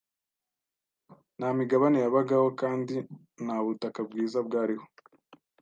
Nta migabane yabagaho kandi nta butaka bwiza bwariho.